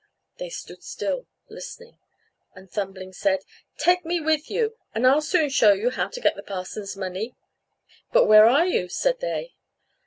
They stood still listening, and Thumbling said, "Take me with you, and I'll soon show you how to get the parson's money." "But where are you?" said they.